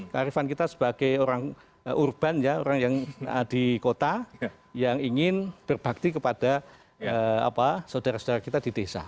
kearifan kita sebagai orang urban ya orang yang di kota yang ingin berbakti kepada saudara saudara kita di desa